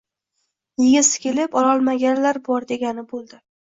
Yegisi kelib, ololmaganlar bor, degani boʻldi.